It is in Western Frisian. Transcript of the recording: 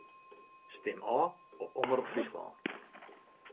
Stim ôf op Omrop Fryslân.